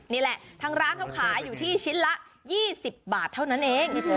นี่แหละทางร้านเขาขายอยู่ที่ชิ้นละ๒๐บาทเท่านั้นเอง